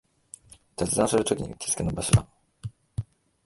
雑談するときにうってつけの場所だ